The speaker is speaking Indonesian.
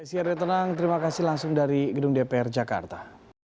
si arya tenang terima kasih langsung dari gedung dpr jakarta